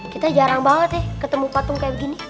kita jarang banget ya ketemu patung kayak begini